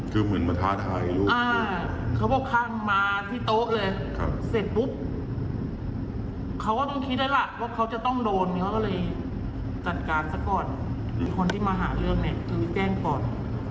จัดการสักก่อนคนที่มาหาเรื่องแจ้งก่อน